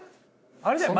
あれじゃない？